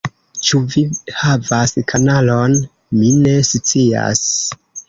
Ĉu vi havas kanalon? Mi ne scias